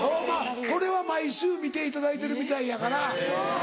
これは毎週見ていただいてるみたいやから。